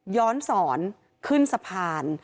ย้อนสอนขึ้นสะพาน